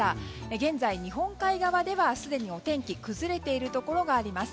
現在、日本海側ではすでにお天気崩れているところがあります。